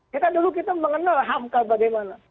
kita dulu kita mengenal hamka bagaimana